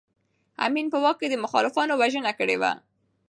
امین په واک کې د مخالفانو وژنه کړې وه.